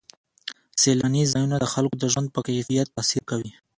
سیلاني ځایونه د خلکو د ژوند په کیفیت تاثیر کوي.